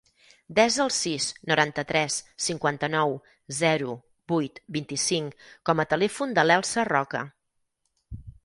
Desa el sis, noranta-tres, cinquanta-nou, zero, vuit, vint-i-cinc com a telèfon de l'Elsa Roca.